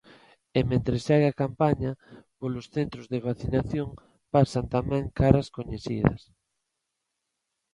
E mentres segue a campaña, polos centros de vacinación pasan tamén caras coñecidas.